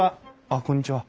あっこんにちは。